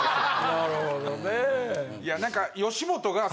なるほどね。